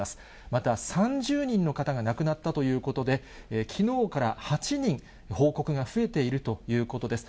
また３０人の方が亡くなったということで、きのうから８人、報告が増えているということです。